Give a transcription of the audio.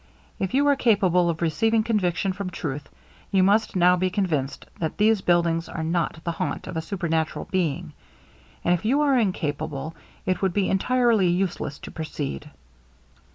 If you are capable of receiving conviction from truth, you must now be convinced that these buildings are not the haunt of a supernatural being; and if you are incapable, it would be entirely useless to proceed.